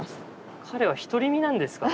彼は独り身なんですか？